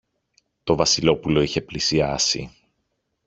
Το Βασιλόπουλο είχε πλησιάσει